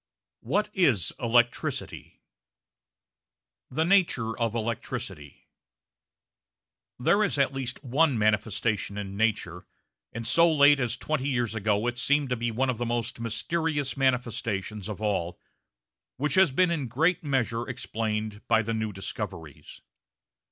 WHAT IS ELECTRICITY? The Nature of Electricity There is at least one manifestation in nature, and so late as twenty years ago it seemed to be one of the most mysterious manifestations of all, which has been in great measure explained by the new discoveries.